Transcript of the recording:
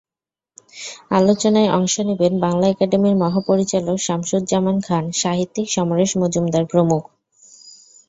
আলোচনায় অংশ নেবেন বাংলা একাডেমির মহাপরিচালক শামসুজ্জামান খান, সাহিত্যিক সমরেশ মজুমদার প্রমুখ।